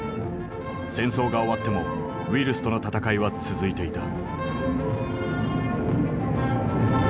戦争が終わってもウイルスとの闘いは続いていた。